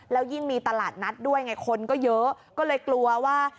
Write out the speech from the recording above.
แล้วยิ่งมีตลาดนัดด้วยไงคนก็เยอะก็เลยกลัวว่า